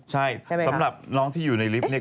ใช่สำหรับน้องที่อยู่ในลิฟต์เนี่ย